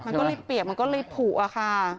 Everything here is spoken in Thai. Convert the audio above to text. มันก็รีดเปียกมันก็รีดผู้อะค่ะ